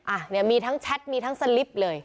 อ่ะเนี่ยมีทั้งแชทมีทั้งสลิปเลย